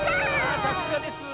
あさすがです。